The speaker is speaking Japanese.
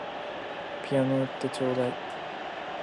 ピアノ売ってちょうだい